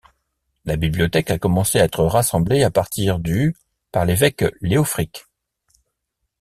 La bibliothèque a commencé à être rassemblée à partir du par l'évêque Leofric.